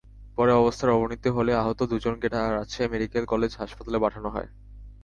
পরে অবস্থার অবনতি হলে আহত দুজনকে রাজশাহী মেডিকেল কলেজ হাসপাতালে পাঠানো হয়।